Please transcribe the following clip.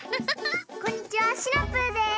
こんにちはシナプーです。